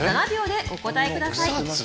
７秒でお答えください